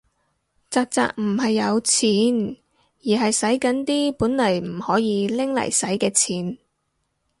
宅宅唔係有錢，而係洗緊啲本來唔可以拎嚟洗嘅錢